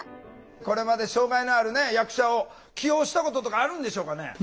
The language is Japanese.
これまで障害のある役者を起用したこととかあるんでしょうかね？